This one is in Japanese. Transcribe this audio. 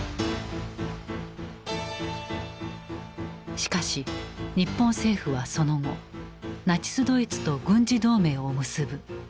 しかし日本政府はその後ナチス・ドイツと軍事同盟を結ぶ。